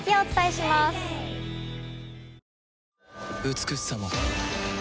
美しさも